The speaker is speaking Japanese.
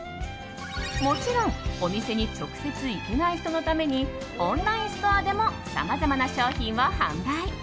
もちろんお店に直接行けない人のためにオンラインストアでもさまざまな商品を販売。